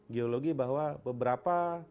geologi bahwa beberapa